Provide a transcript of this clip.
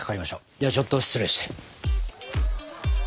ではちょっと失礼して。